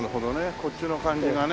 こっちの感じがね。